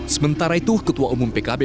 sementara itu ketua umum pkb